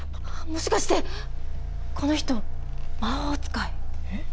もしかしてこの人魔法使い？